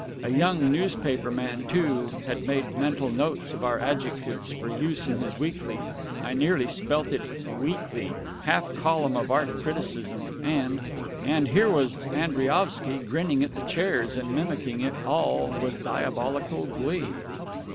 A young newspaper man, too, had made mental notes of our adjectives, for use in his weekly (I nearly spelt it "weakly") half column of Art Criticism; and and here was Andriaovsky, grinning at the chairs, and mimicking it all with diabolical glee.